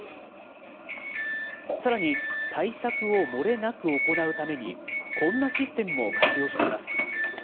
さらに対策を漏れなく行うために、こんなシステムも活用しています。